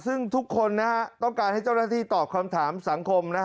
ซึ่งทุกคนต้องการให้เจ้าหน้าที่ตอบคำถามสังคม